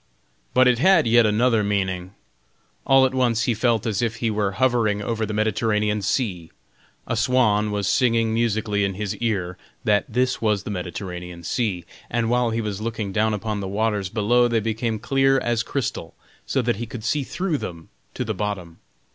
But it had yet another meaning. All at once he felt as if he were hovering over the Mediterranean Sea. A swan was singing musically in his ear that this was the Mediterranean Sea. And while he was looking down upon the waters below they became clear as crystal, so that he could see through them to the bottom.